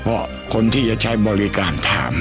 เพราะคนที่จะใช้บริการถาม